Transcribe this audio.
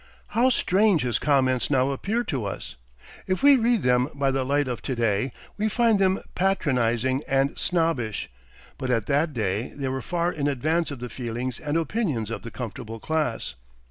How strange his comments now appear to us! If we read them by the light of to day, we find them patronizing and snobbish; but at that day they were far in advance of the feelings and opinions of the comfortable class.